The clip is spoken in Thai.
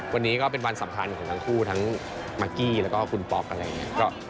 วันนี้ก็เป็นวันสำคัญของทั้งคู่ทั้งมากกี้แล้วก็คุณป๊อกอะไรอย่างนี้